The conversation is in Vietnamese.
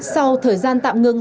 sau thời gian tạm ngưng